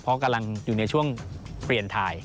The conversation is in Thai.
เพราะกำลังอยู่ในช่วงเปลี่ยนถ่าย